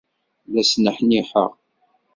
La sneḥniḥeɣ.